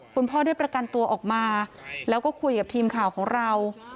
คุณพ่อได้ประกันตัวออกมาแล้วก็คุยกับทีมข่าวของเรา